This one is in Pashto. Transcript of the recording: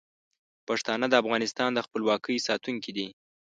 پښتانه د افغانستان د خپلواکۍ ساتونکي دي.